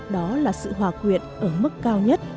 đó là sự hòa quyện ở mức cao nhất